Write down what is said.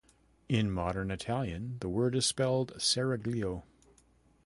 In modern Italian the word is spelled "serraglio".